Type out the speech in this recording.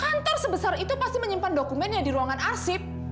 kantor sebesar itu pasti menyimpan dokumennya di ruangan arsip